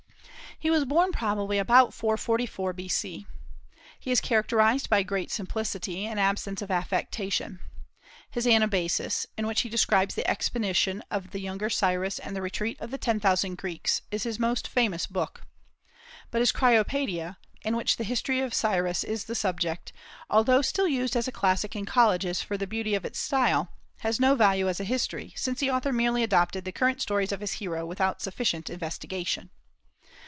He was born probably about 444 B.C. He is characterized by great simplicity and absence of affectation. His "Anabasis," in which he describes the expedition of the younger Cyrus and the retreat of the ten thousand Greeks, is his most famous book. But his "Cyropaedia," in which the history of Cyrus is the subject, although still used as a classic in colleges for the beauty of its style, has no value as a history, since the author merely adopted the current stories of his hero without sufficient investigation.